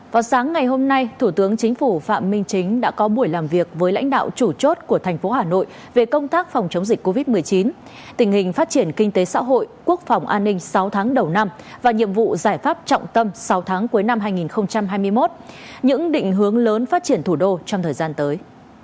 vào sáng ngày hôm nay thủ tướng chính phủ phạm minh chính đã có buổi làm việc với lãnh đạo chủ chốt của thành phố hà nội về công tác phòng chống dịch covid một mươi chín tình hình phát triển kinh tế xã hội quốc phòng an ninh sáu tháng đầu năm và nhiệm vụ giải pháp trọng tâm sáu tháng cuối năm hai nghìn hai mươi một những định hướng lớn phát triển thủ đô trong thời gian tới